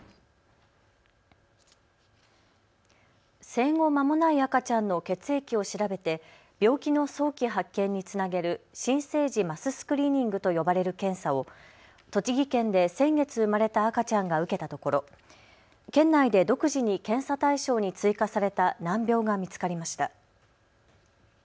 生後まもない赤ちゃんの血液を調べて病気の早期発見につなげる新生児マススクリーニングと呼ばれる検査を栃木県で先月、生まれた赤ちゃんが受けたところ県内で独自に検査対象に追加された難病が見つかりました。